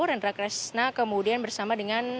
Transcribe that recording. rendra kresna kemudian bersama dengan